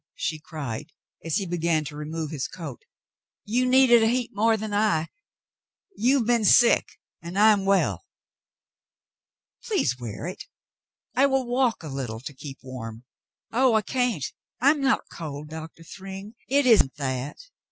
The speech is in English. she cried, as he began to remove his coat. "You need it a heap more than I. You have been sick, and I am well.'* "Please wear it. I will walk a little to keep warm." "Oh ! I can't. I'm not cold, Doctor Thryng. It isn't that."